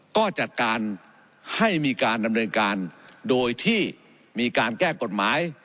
ก็จัดการให้มีการดำเนินการโดยที่มีการแก้กฎหมาย